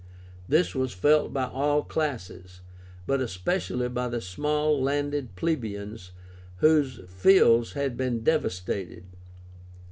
This was felt by all classes, but especially by the small landed plebeians whose fields had been devastated.